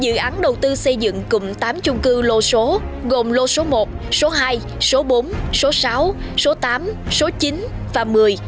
dự án đầu tư xây dựng cùng tám chung cư lô số gồm lô số một số hai số bốn số sáu số tám số chín và một mươi một mươi một